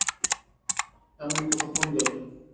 এমন কতক্ষণ গেল।